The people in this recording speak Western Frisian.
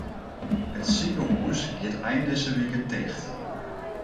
It sikehús giet ein dizze wike ticht.